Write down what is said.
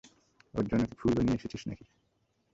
ওর জন্য কি ফুলও নিয়ে এসেছিস নাকি?